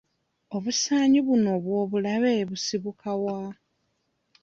Obusaanyi buno obw'obulabe busibuka wa?